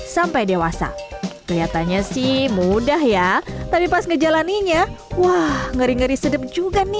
sampai dewasa kelihatannya sih mudah ya tapi pas ngejalannya wah ngeri ngeri sedep juga nih